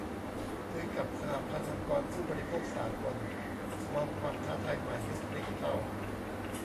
คุยกับ 'สหพันธ์องค์กรผู้บริโภคสากล' มองความท้าทายใหม่ยุคดิจิทัล